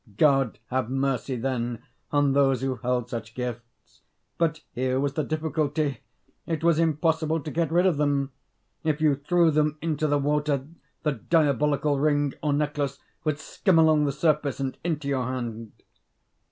God have mercy, then, on those who held such gifts! But here was the difficulty: it was impossible to get rid of them; if you threw them into the water, the diabolical ring or necklace would skim along the surface and into your hand.